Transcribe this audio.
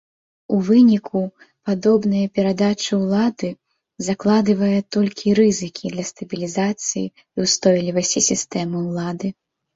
У выніку, падобная перадачы ўлады закладывае толькі рызыкі для стабілізацыі і ўстойлівасці сістэмы ўлады.